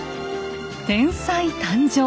天才誕生。